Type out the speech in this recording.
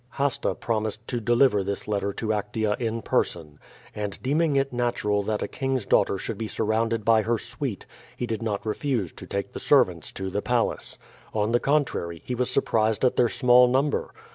Hasta promised to deliver this letter to Actea in person. And deeming it natural that a king's daughter should be sur rounded by her suite, he did not refuse to take the servants to tlie palace. On the contrary, he was surprised at their small number.